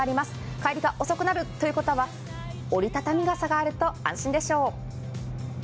帰りが遅くなるという方は折り畳み傘があると安心でしょう。